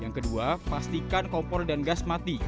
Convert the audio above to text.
yang kedua pastikan kompor dan gas mati